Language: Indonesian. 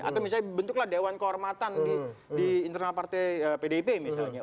atau misalnya bentuklah dewan kehormatan di internal partai pdip misalnya